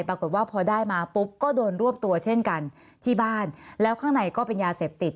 ปรากฏว่าพอได้มาปุ๊บก็โดนรวบตัวเช่นกันที่บ้านแล้วข้างในก็เป็นยาเสพติด